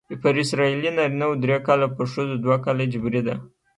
پر اسرائیلي نارینه وو درې کاله او پر ښځو دوه کاله جبری ده.